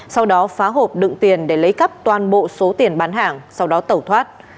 sau đó phá hộp đựng tiền để lấy cắp toàn bộ số tiền bán hàng sau đó tẩu thoát